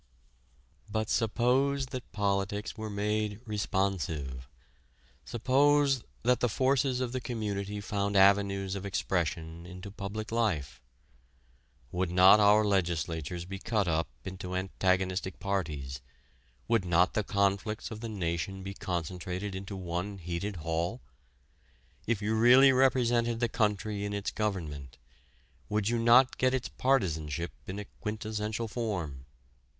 But suppose that politics were made responsive suppose that the forces of the community found avenues of expression into public life. Would not our legislatures be cut up into antagonistic parties, would not the conflicts of the nation be concentrated into one heated hall? If you really represented the country in its government, would you not get its partisanship in a quintessential form?